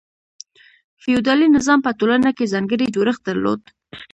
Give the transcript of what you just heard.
فیوډالي نظام په ټولنه کې ځانګړی جوړښت درلود.